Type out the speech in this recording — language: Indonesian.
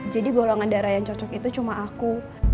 jadi golongan darah yang cocok itu cuma aku